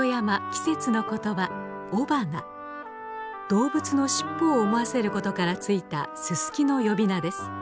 動物の尻尾を思わせることからついたススキの呼び名です。